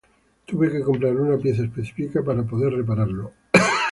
Tuve que comprar una pieza específica para poder repararlo.